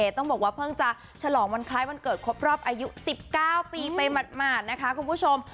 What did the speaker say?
ต้องบอกว่าเพิ่งจะฉลองวันคล้ายวันเกิดครบรอบอายุ๑๙ปีไปหมาดนะคะคุณผู้ชม